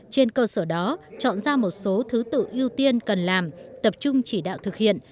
trên cơ sở đó chọn ra một số thứ tự ưu tiên cần làm tập trung chỉ đạo thực hiện